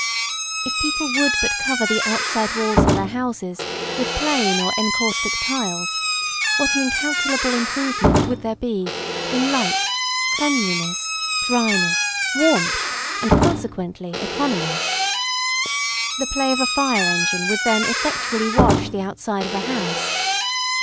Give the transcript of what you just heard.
] If people would but cover the outside walls of their houses with plain or encaustic tiles, what an incalculable improvement would there be in light, cleanliness, dryness, warmth, and consequently economy. The play of a fire engine would then effectually wash the outside of a house.